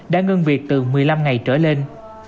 đã ngưng việc từ một mươi năm ngày trở lên